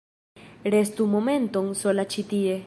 Restu momenton sola ĉi tie.